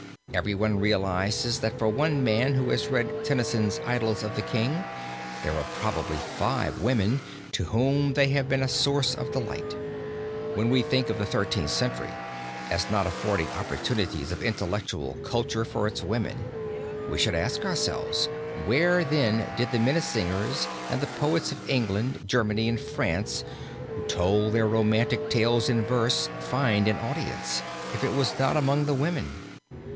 Everyone realizes that for one man who has read Tennyson's "Idyls of the King" there are probably five women to whom they have been a source of delight. When we think of the Thirteenth Century as not affording opportunities of intellectual culture for its women, we should ask ourselves where then did the Meistersingers and the poets of England, Germany and France who told their romantic tales in verse find an audience, if it was not among the women.